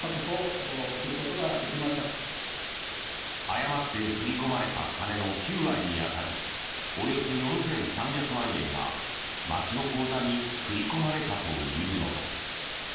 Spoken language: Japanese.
誤って振り込まれた金の９割に当たるおよそ４３００万円が町の口座に振り込まれたというのだ。